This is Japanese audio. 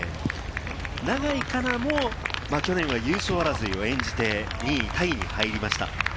永井花奈も去年、優勝争いを演じて、２位タイに入りました。